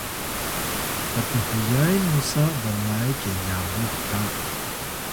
pthuyay musa blay kinyanux ta